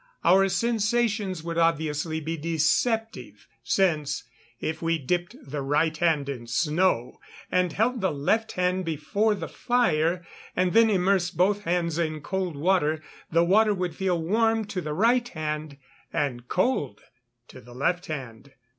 Our sensations would obviously be deceptive, since, if we dipped the right hand in snow, and held the left hand before the fire, and then immersed both hands in cold water, the water would feel warm to the right hand and cold to the left hand.